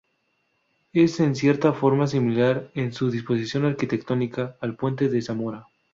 Es en cierta forma similar en su disposición arquitectónica al puente de Zamora.